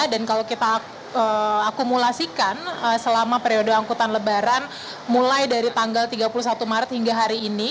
dan kalau kita akumulasikan selama periode angkutan lebaran mulai dari tanggal tiga puluh satu maret hingga hari ini